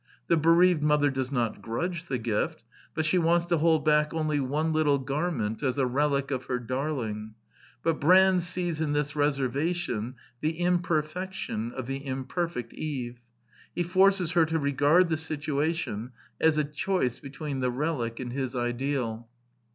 The bereaved mother does not grudge the gift; but she wants to hold back only one little garment as a relic of her darling. But Brand sees in this reservation the imperfection of the imperfect Eve. He forces her to regard the situation as a choice between the relic and his ideal.